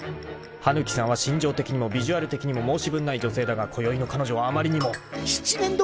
［羽貫さんは心情的にもビジュアル的にも申し分ない女性だがこよいの彼女はあまりにも］しちめんどくさいご託並べるな！